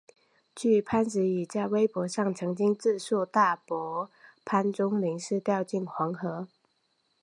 据潘石屹在微博上曾经自述大伯潘钟麟是掉进黄河。